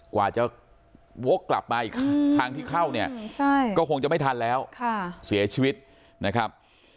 กว่าจะวกกลับมาอีกทางที่เข้าเนี่ยก็คงจะไม่ทันแล้วเสียชีวิตนะครับ